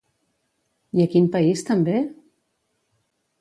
I a quin país també?